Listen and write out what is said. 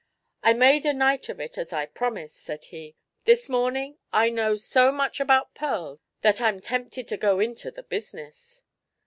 "I made a night of it, as I promised," said he. "This morning I know so much about pearls that I'm tempted to go into the business."